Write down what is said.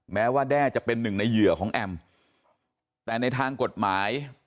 แม้ว่าแด้จะเป็นหนึ่งในเหยื่อของแอมแต่ในทางกฎหมาย